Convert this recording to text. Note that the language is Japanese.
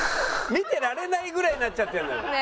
見てられないぐらいになっちゃってるのよ。